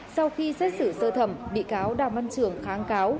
sau khi xét xử sơ thẩm bị cáo đàm văn trường kháng cáo